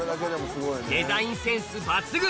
デザインセンス抜群！